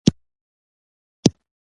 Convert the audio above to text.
ډوډۍ وخوره بیا خپل د ورور سره راسه!